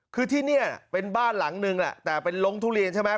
คือที่นี่เป็นบ้านหลังนึงแหละแต่เป็นลงทุเรียนใช่ไหม